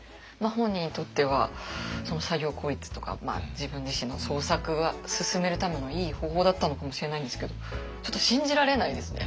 本人にとっては作業効率とか自分自身の創作を進めるためのいい方法だったのかもしれないんですけどちょっと信じられないですね。